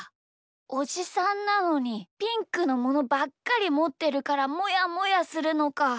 おじさんなのにピンクのものばっかりもってるからもやもやするのか。